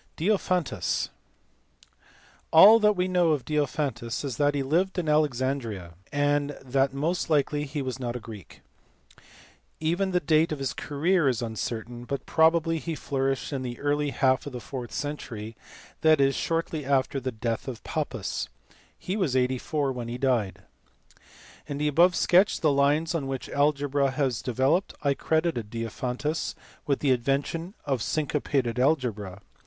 Diophantus*. All that we know of Diophantus is that he lived at Alexandria, and that most likely he was not a Greek. Even the date of his career is uncertain, but probably he flourished in the early half of the fourth century, that is, shortly after the death of Pappus. He was 84 when he died. In the above sketch of the lines on which algebra has developed I credited Diophantus with the invention of synco pated algebra.